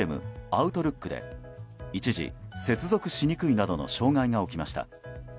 Ｏｕｔｌｏｏｋで一時、接続しにくいなどの障害が起きました。